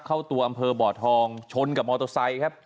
เข้าตัวอำเภอบ่อทองชนกับมอเตอร์ไซค์ครับ